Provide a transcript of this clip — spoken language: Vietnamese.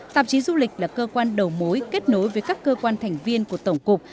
tạp chí du lịch là cơ quan đầu mối kết nối với các cơ quan thành viên của tổng cục